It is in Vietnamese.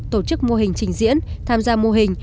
tổ chức mô hình trình diễn tham gia mô hình